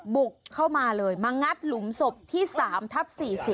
บุกเข้ามาเลยมางัดหลุมศพที่๓ทับ๔๐